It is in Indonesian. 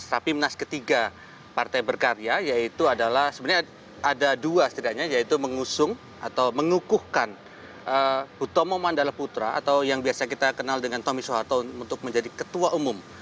rapimnas ketiga partai berkarya yaitu adalah sebenarnya ada dua setidaknya yaitu mengusung atau mengukuhkan hutomo mandala putra atau yang biasa kita kenal dengan tommy soeharto untuk menjadi ketua umum